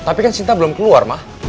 eh tapi kan sinta belum keluar